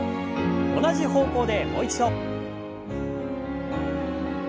同じ方向でもう一度。